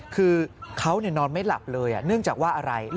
คือเขานอนไม่หลับเลยเนื่องจากว่าอะไร